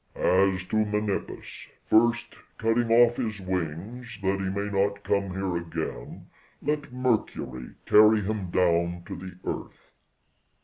"As to Menippus, first cutting off his wings that he may not come here again, let Mercury carry him down to the earth."